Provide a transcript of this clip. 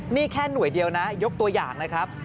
นี่แค่หน่วยเดียวนะยกตัวอย่างเลยครับ